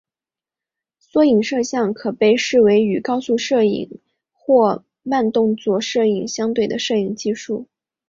缩时摄影可被视为与高速摄影或慢动作摄影相对的摄影技术。